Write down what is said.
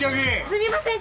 すみません